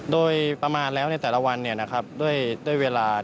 โดยประมาณแล้วในแต่ละวันด้วยเวลา